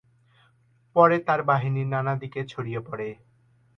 পরে তার বাহিনী নানা দিকে ছড়িয়ে পড়ে।